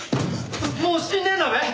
もう死んでんだべ？